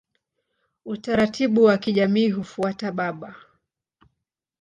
Utaratibu wa kijamii hufuata baba.